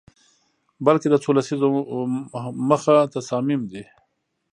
بلکه د څو لسیزو مخه تصامیم دي